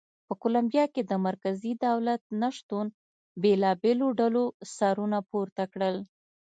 په کولمبیا کې د مرکزي دولت نه شتون بېلابېلو ډلو سرونه پورته کړل.